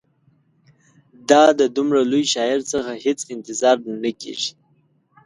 دا د دومره لوی شاعر څخه هېڅ انتظار نه کیږي.